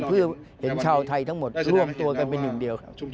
เพื่อเห็นชาวไทยทั้งหมดร่วมตัวกันเป็นหนึ่งเดียว